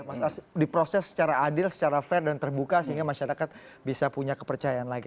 mas ars diproses secara adil secara fair dan terbuka sehingga masyarakat bisa punya kepercayaan lagi